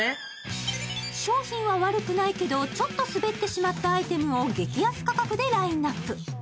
商品は悪くないけどちょっとすべってしまったアイテムを激安価格でラインナップ。